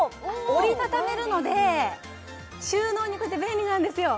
折り畳めるので収納に便利なんですよ